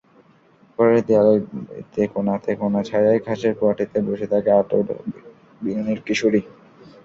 ঘরের দেয়ালের তেকোনা ছায়ায় ঘাসের পাটিতে বসে থাকে আঁটো বিনুনির কিশোরী।